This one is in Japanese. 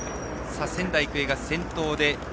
仙台育英が先頭。